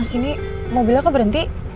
mas ini mobilnya kok berhenti